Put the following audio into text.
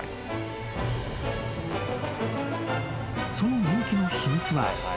［その人気の秘密は］